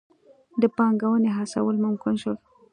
د پانګونې هڅول ممکن شول.